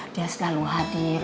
dia selalu hadir